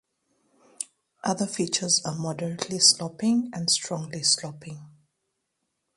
Other features are moderately sloping and strongly sloping.